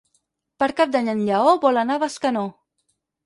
Per Cap d'Any en Lleó vol anar a Bescanó.